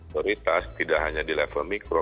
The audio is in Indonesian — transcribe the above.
prioritas tidak hanya di level mikro